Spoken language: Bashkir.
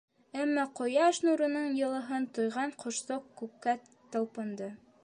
Әммә Ҡояш нурының йылыһын тойған Ҡошсоҡ күккә талпынды.